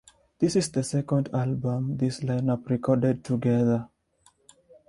This is the second album this line-up recorded together.